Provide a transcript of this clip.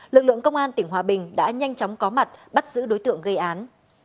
lực lượng công an tỉnh hòa bình đã nhanh chóng có mặt bắt giữ đối tượng gây án